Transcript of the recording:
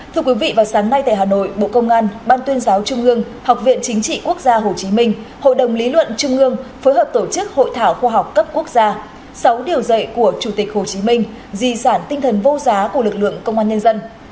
thưa quý vị vào sáng nay tại hà nội bộ công an ban tuyên giáo trung ương học viện chính trị quốc gia hồ chí minh hội đồng lý luận trung ương phối hợp tổ chức hội thảo khoa học cấp quốc gia sáu điều dạy của chủ tịch hồ chí minh di sản tinh thần vô giá của lực lượng công an nhân dân